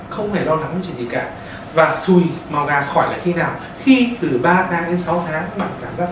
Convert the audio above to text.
không hề lo lắng điều trị cả và xùi màu gà khỏi là khi nào khi từ ba tháng đến sáu tháng bạn cảm giác